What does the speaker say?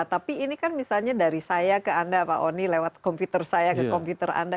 tapi ini kan misalnya dari saya ke anda pak oni lewat komputer saya ke komputer anda